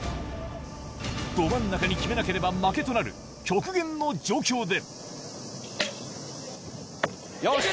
ど真ん中に決めなければ負けとなる、極限の状況で。